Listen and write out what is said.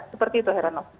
seperti itu herano